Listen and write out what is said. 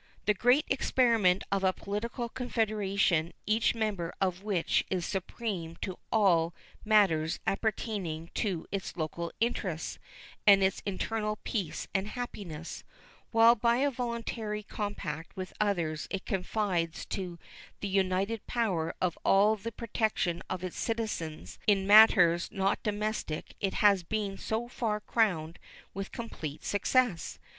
The great experiment of a political confederation each member of which is supreme as to all matters appertaining to its local interests and its internal peace and happiness, while by a voluntary compact with others it confides to the united power of all the protection of its citizens in matters not domestic has been so far crowned with complete success.